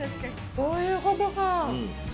そういうことか。